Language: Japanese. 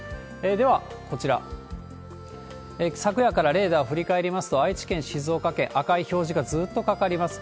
では、こちら、昨夜からレーダー振り返りますと、愛知県、静岡県、赤い表示がずっとかかります。